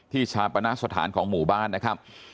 ชาปณะสถานของหมู่บ้านนะครับ